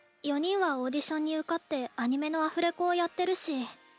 ４人はオーディションに受かってアニメのアフレコをやってるし。